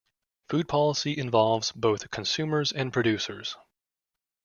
Food policy involves both consumers and producers.